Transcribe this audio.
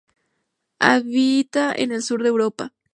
Habita en el sur de Europa.